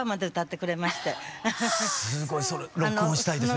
すごい録音したいですね